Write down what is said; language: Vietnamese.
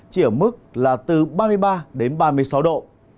chỉ ở mức là từ ba mươi ba đến ba mươi sáu độ